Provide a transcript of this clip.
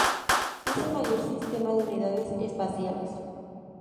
Es el mayor sistema de unidades espaciales.